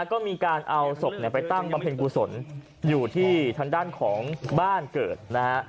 ก็มีการเอาศพไปตั้งบำเพ็ญกุศลอยู่ที่ทางด้านของบ้านเกิดนะฮะ